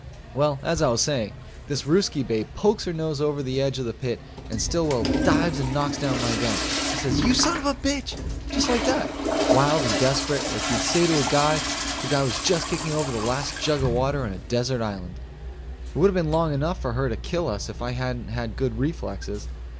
Well, as I was saying, this Ruskie babe pokes her nose over the edge of the pit and Stillwell dives and knocks down my gun. He says, "You son of a bitch!" Just like that. Wild and desperate, like you'd say to a guy if the guy was just kicking over the last jug of water on a desert island. It would have been long enough for her to kill us if I hadn't had good reflexes.